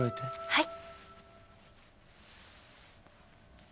はい。